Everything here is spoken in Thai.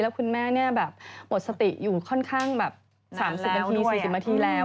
แล้วคุณแม่หมดสติอยู่ค่อนข้าง๓๐๔๐นาทีแล้ว